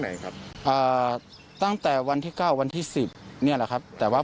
ไหนครับอ่าตั้งแต่วันที่เก้าวันที่สิบเนี่ยแหละครับแต่ว่า